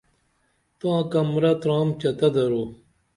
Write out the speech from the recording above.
تاں کمرہ ترام چتہ درو